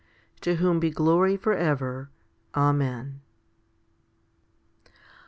.To whom be glory for ever. Amen.